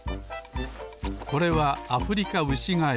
これはアフリカウシガエル。